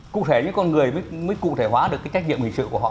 cụ thể những con người mới cụ thể hóa được cái trách nhiệm hình sự của họ